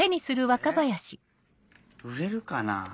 え売れるかなぁ？